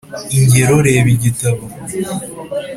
Ingero reba igitabo